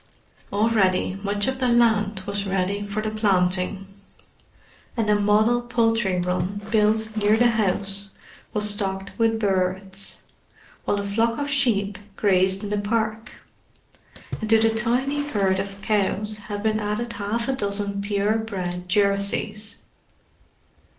Already much of the land was ready for the planting, and a model poultry run built near the house was stocked with birds; while a flock of sheep grazed in the park, and to the tiny herd of cows had been added half a dozen pure bred Jerseys.